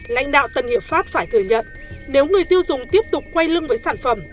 lãnh đạo tân hiệp pháp phải thừa nhận nếu người tiêu dùng tiếp tục quay lưng với sản phẩm